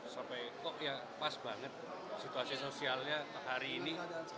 sampai kok ya pas banget situasi sosialnya hari ini